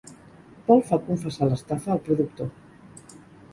Paul fa confessar l'estafa al productor.